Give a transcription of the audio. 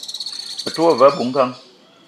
Me te wa ve abui-ngang